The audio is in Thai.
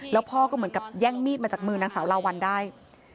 แล้วพ่อก็เหมือนกับแย่งมีดมาจากมือนางสาวลาวัลได้